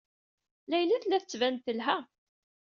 Layla tella tettban-d telha.